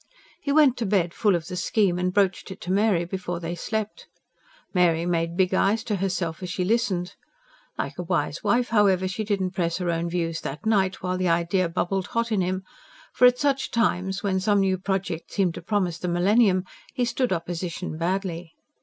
He went to bed full of the scheme and broached it to Mary before they slept. Mary made big eyes to herself as she listened. Like a wise wife, however, she did not press her own views that night, while the idea bubbled hot in him; for, at such times, when some new project seemed to promise the millennium, he stood opposition badly.